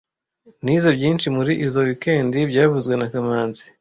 Nize byinshi muri izoi weekend byavuzwe na kamanzi